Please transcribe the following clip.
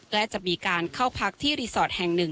และจะมีการเข้าพักที่รีสอร์ทแห่งหนึ่ง